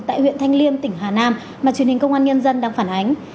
tại huyện thanh liêm tỉnh hà nam mà truyền hình công an nhân dân đang phản ánh